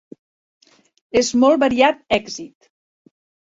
És molt variat èxit.